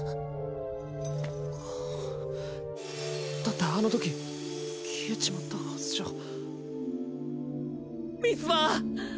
ああっだってあの時消えちまったはずじゃミツバ！